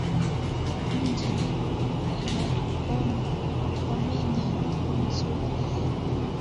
Minji ina komeya muzuri